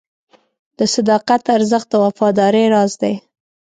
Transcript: د صداقت ارزښت د وفادارۍ راز دی.